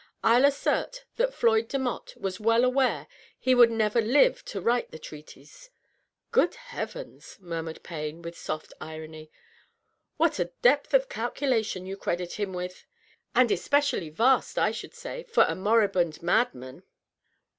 I'll assert that Floyd Demotte was well aware he would never live to write the treatise.'* " Grood heavens/' murmured Payne, with soft irony ;" what a depth of calculation you credit him with ! And especially vast, I should say, for a moribund madman."